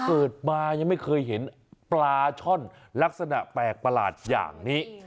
เกิดมายังไม่เคยเห็นปลาช่อนลักษณะแปลกประหลาดอย่างนี้